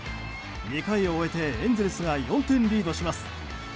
２回を終えてエンゼルスが４点リードします。